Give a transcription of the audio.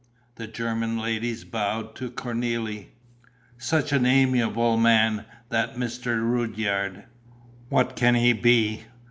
The German ladies bowed to Cornélie. "Such an amiable man, that Mr. Rudyard." "What can he be?"